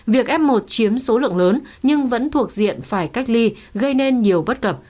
việc f một chiếm số lượng lớn nhưng vẫn thuộc diện phải cách ly gây nên nhiều bất cập